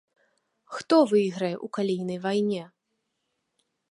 Хто выйграе ў калійнай вайне?